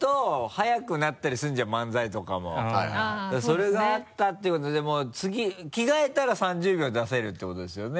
それがあったっていうことでもう次着替えたら３０秒出せるってことですよね？